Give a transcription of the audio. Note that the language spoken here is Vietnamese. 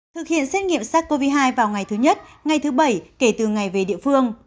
thực hiện xét nghiệm sars cov hai vào ngày thứ nhất ngay thứ bảy kể từ ngày về địa phương